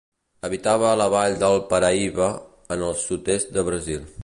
Habitava a la Vall del Paraíba, en el sud-est de Brasil.